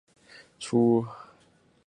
但是最后却选择退出比赛。